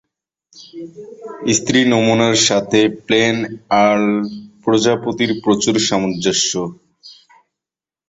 স্ত্রী নমুনার সাথে প্লেন আর্ল প্রজাতির প্রচুর সামঞ্জস্য।